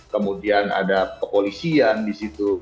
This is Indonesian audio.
kemudian ada kepolisian di situ